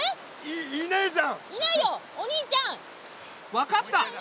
分かった！